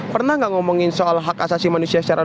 pernah nggak ngomongin soal hak asasi manusia secara